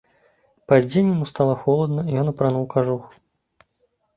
Пад дзень яму стала холадна, і ён апрануў кажух.